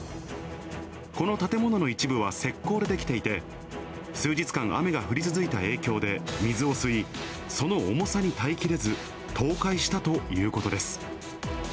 この建物の一部は石こうで出来ていて、数日間、雨が降り続いた影響で、水を吸い、その重さに耐えきれず、倒壊したということです。